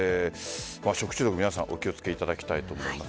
食中毒皆さんお気を付けいただきたいと思います。